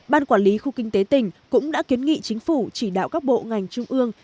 ban quản lý khu kinh tế tỉnh cũng đã kiến nghị chính phủ chỉ đạo các bộ ngành trung ương